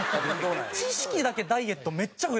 知識だけダイエットめっちゃ増えていくんですよ。